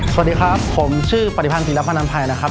สวัสดีครับผมชื่อปฏิพันธ์พีรพนันภัยนะครับ